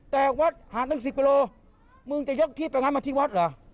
แต่วัดหาดตั้ง๑๐กิโลมึงจะยกที่ตรงนั้นมาที่วัดเหรอ